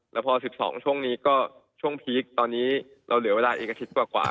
แล้วพอ๑๒ช่วงนี้ก็ช่วงพีคตอนนี้เราเหลือเวลาอีกอาทิตย์กว่า